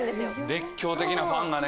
熱狂的なファンがね。